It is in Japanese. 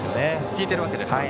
効いているわけですね。